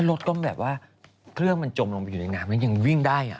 รถก็แบบว่าเครื่องมันจมลงไปอยู่ในน้ำแล้วยังวิ่งได้